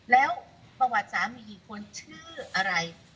แล้วประวัติสามีกี่คนชื่ออะไร